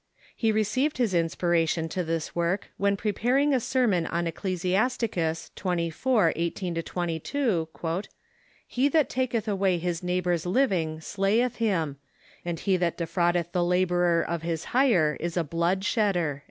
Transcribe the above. He received his inspiration to this work when preparing a sermon on Ecclesiasticus xxiv. 18 22 : "He that taketh aAvay his neighbor's living slayeth him ; and he that defraudeth the laborer of his hire is a blood shedder."